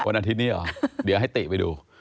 อาทิตย์นี้เหรอเดี๋ยวให้ติไปดู